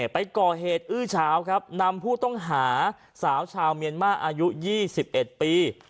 ไปก่อเหตุอื้อเฉาครับนำผู้ต้องหาสาวชาวเมียนมาอายุ๒๑ปี